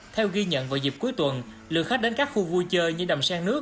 theo ghi nhận vào dịp cuối tuần lượng khách đến các khu vui chơi như đầm sen nước